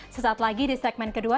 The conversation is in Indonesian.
sesaat lagi di segmen kedua